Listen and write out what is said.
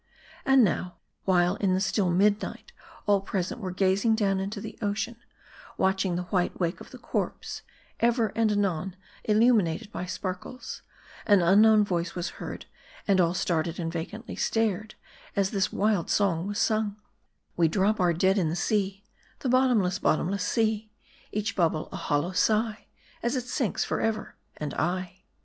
M A R D I. 349 And now, while in the still midnight, all present were gazing down into the ocean, watching the white wake of the corpse, ever and anon illuminated by sparkles, an un known voice was heard, and all started and vacantly stared, as this wild song was sung : We drop our dead in the sea, The bottomless, bottomless sea; Each bubble a hollow sigh, As it sinks forever and aye.